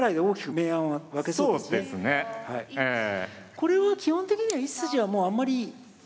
これは基本的には１筋はもうあんまり。